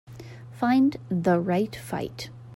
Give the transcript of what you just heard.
Find The Right Fight